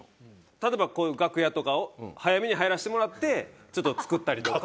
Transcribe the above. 例えばこういう楽屋とかを早めに入らせてもらってちょっと作ったりとか。